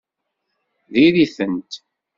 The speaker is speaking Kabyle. Diri-tent!